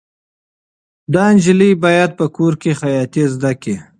دا نجلۍ باید په کور کې خیاطي زده کړي.